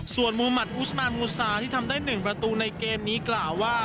ส่วนมุมัติอุสมานมูซาที่ทำได้๑ประตูในเกมนี้กล่าวว่า